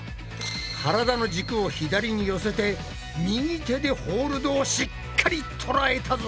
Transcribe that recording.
体の軸を左に寄せて右手でホールドをしっかりとらえたぞ！